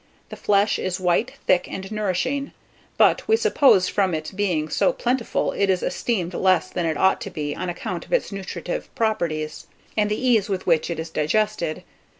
The flesh is white, thick, and nourishing; but, we suppose, from its being so plentiful, it is esteemed less than it ought to be on account of its nutritive properties, and the ease with which it is digested.